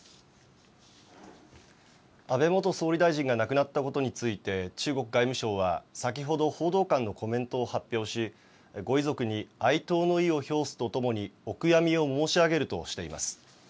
安倍元総理大臣が亡くなったことについて中国外務省は、先ほど報道官のコメントを発表しご遺族に哀悼の意を表すとともにお悔みを申し上げるとしています。